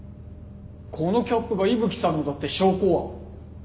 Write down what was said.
このキャップが伊吹さんのだって証拠は？